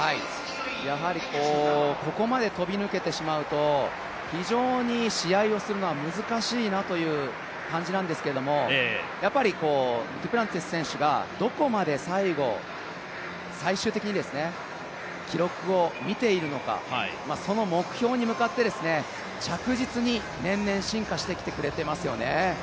やはりここまで飛び抜けてしまうと非常に試合をするのは難しいなという感じなんですけれども、デュプランティス選手がどこまで最後、最終的に記録を見ているのか、その目標に向かって着実に年々進化してきてくれていますよね。